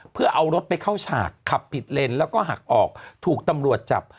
เพื่อเอารถไปเข้าฉากขับผิดเลนแล้วก็หักออกถูกตำรวจจับ